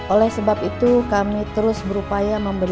oleh sebab itu kami terus berupaya memberikan ekonomi